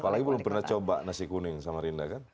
apalagi belum pernah coba nasi kuning samarinda kan